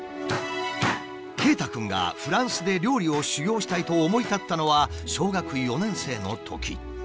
圭太くんがフランスで料理を修業したいと思い立ったのは小学４年生のとき。